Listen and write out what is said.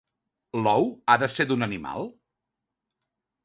L'ou ha de ser d'un animal?